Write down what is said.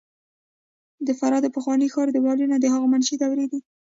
د فراه د پخواني ښار دیوالونه د هخامنشي دورې دي